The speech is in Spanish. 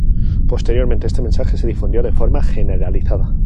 Posteriormente este mensaje se difundió de forma generalizada.